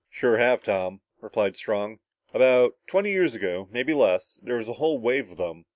"Sure have, Tom," replied Strong. "About twenty years ago, maybe less, there was a whole wave of them.